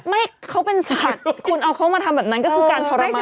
ไม่เขาเป็นสัตว์คุณเอาเขามาทำแบบนั้นก็คือการทรมาน